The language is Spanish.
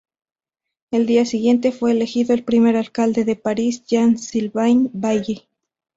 El día siguiente, fue elegido el primer Alcalde de París: Jean Sylvain Bailly.